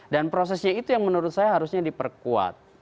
dan prosesnya itu yang menurut saya harusnya diperkuat